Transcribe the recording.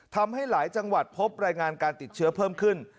ทำให้หลายจังหวัดพบรายงานการติดเชื้อเพิ่มขึ้น